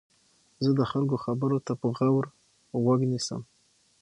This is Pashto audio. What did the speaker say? زه د خلکو خبرو ته په غور غوږ نیسم.